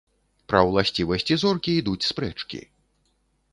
Пра ўласцівасці зоркі ідуць спрэчкі.